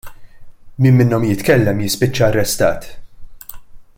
Min minnhom jitkellem jispiċċa arrestat.